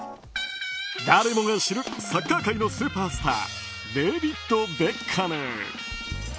誰もが知るサッカー界のスーパースターデービッド・ベッカム。